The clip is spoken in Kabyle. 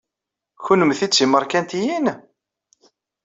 Kennemti d timarikaniyin?